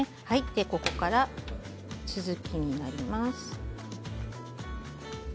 ここから続きになります。